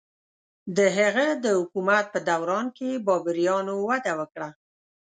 د هغه د حکومت په دوران کې بابریانو وده وکړه.